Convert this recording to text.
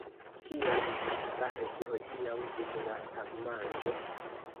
Kion vi faris hodiaŭ dum la tagmanĝo?